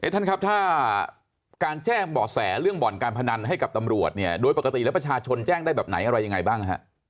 ท่านครับถ้าการแจ้งเบาะแสเรื่องบ่อนการพนันให้กับตำรวจเนี่ยโดยปกติแล้วประชาชนแจ้งได้แบบไหนอะไรยังไงบ้างฮะ